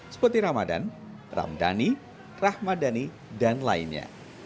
seperti ramadan ramdhani rahmadani dan lainnya